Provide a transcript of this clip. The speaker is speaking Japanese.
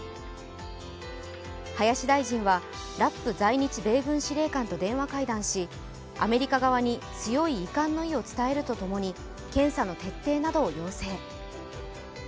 林大臣は、ラップ在日米軍司令官と電話会談しアメリカ側に強い遺憾の意を伝えるとともに検査の徹底などを要請。